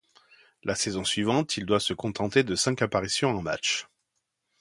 La saison suivante, il doit se contenter de cinq apparitions en matches.